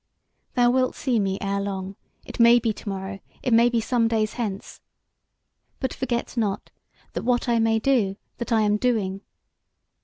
Thou wilt see me ere long; it may be to morrow, it may be some days hence. But forget not, that what I may do, that I am doing.